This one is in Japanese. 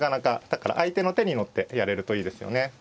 だから相手の手に乗ってやれるといいですよね。